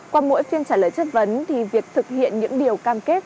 qua mỗi phiên trả lời chất vấn thì việc thực hiện những điều cam kết